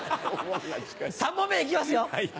３問目行きますよ。